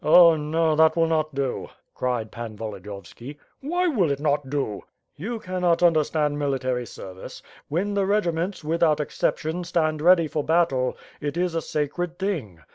"Oh, no, that will not do," cried Pan Volodiyovski. "Why will it not do?" "You cannot understand military service. When the r^ ments, without exception, etand ready for battle, it is a sacred thing.